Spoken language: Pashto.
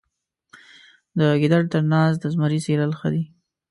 د ګیدړ تر ناز د زمري څیرل ښه دي.